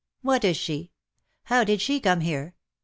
— what is she ?— how did she come here?